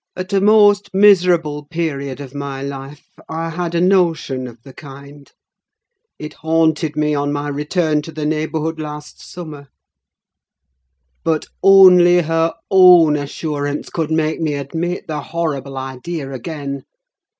At a most miserable period of my life, I had a notion of the kind: it haunted me on my return to the neighbourhood last summer; but only her own assurance could make me admit the horrible idea again.